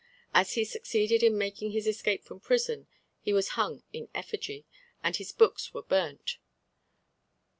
As he succeeded in making his escape from prison, he was hung in effigy, and his books were burnt.